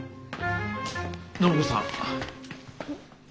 暢子さん。